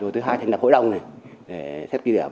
rồi thứ hai là thành đập hội đồng này để xét kỷ điểm